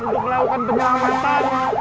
untuk melakukan penyelamatan